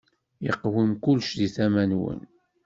Iqwem kullec di tama-nwen.